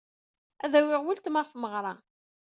Ad d-awyeɣ weltma ɣer tmeɣra.